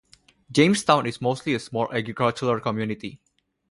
Jamestown is mostly a small agricultural community.